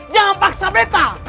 jangan paksa betta